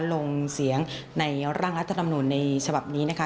ลงเสียงในร่างรัฐธรรมนุนในฉบับนี้นะคะ